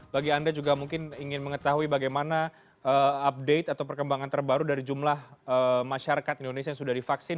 bagi anda juga mungkin ingin mengetahui bagaimana update atau perkembangan terbaru dari jumlah masyarakat indonesia yang sudah divaksin